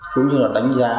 cũng như là đánh giá